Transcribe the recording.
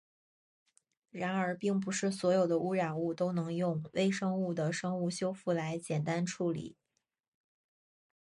然而并不是所有的污染物都能用微生物的生物修复来简单处理。